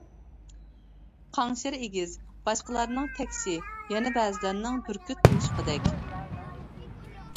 قاڭشىرى ئېگىز، باشقىلارنىڭ تەكشى، يەنە بەزىلەرنىڭ بۈركۈت تۇمشۇقىدەك.